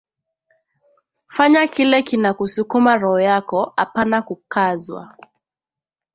Fanya kile kina kusukuma roho yako apana kukazwa